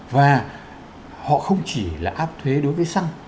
và họ không chỉ là áp thuế đối với xăng